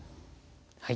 はい。